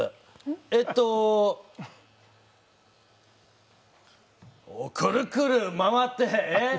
えっとくるくる回ってええ！？